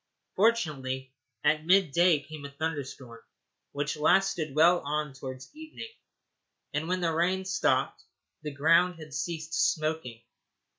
Fortunately, at mid day came a thunderstorm which lasted well on towards evening, and when the rain stopped the ground had ceased smoking.